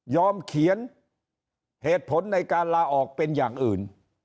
เขียนเหตุผลในการลาออกเป็นอย่างอื่น